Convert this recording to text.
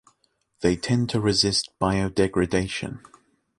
They tend to resist biodegradation.